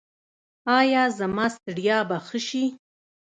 ایا زما ستړیا به ښه شي؟